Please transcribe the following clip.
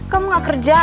kamu gak kerja